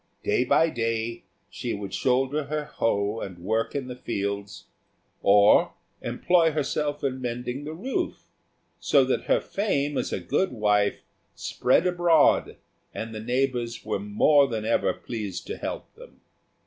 Day by day she would shoulder her hoe and work in the fields, or employ herself in mending the roof, so that her fame as a good wife spread abroad, and the neighbours were more than ever pleased to help them.